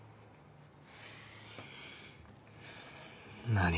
「何？」